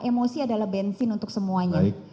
emosi adalah bensin untuk semuanya